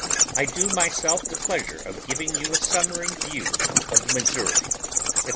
I <!o myself the pleasure of giv ing you a summary view of the Missouri, &c.